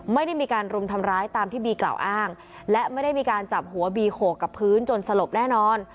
ไม่ได้มีการรุมทำร้ายตามที่บีกล่าวอ้างและไม่ได้มีการจับหัวบีโขกกับพื้นจนสลบแน่นอน